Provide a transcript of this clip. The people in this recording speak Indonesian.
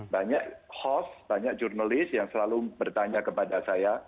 banyak host banyak jurnalis yang selalu bertanya kepada saya